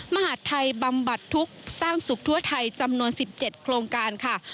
มหาดไทยบำบัดทุกข์สร้างสุขทั่วไทยจำนวน๑๗โครงการค่ะ